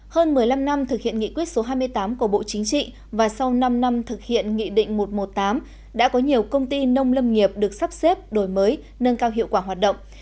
hơn một mươi năm năm thực hiện nghị quyết số hai mươi tám của bộ chính trị và sau năm năm thực hiện nghị định một trăm một mươi tám đã có nhiều công ty nông lâm nghiệp được sắp xếp đổi mới nâng cao hiệu quả hoạt động